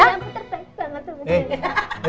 jangan puter puter sama sama